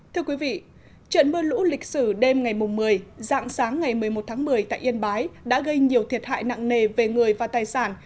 thưa quý vị trận mưa lũ lịch sử đêm ngày một mươi dạng sáng ngày một mươi một tháng một mươi tại yên bái đã gây nhiều thiệt hại nặng nề về người và tài sản